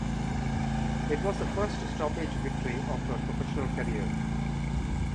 It was the first stoppage victory of her professional career.